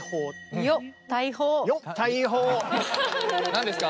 何ですか？